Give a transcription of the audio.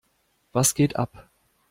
Was geht ab?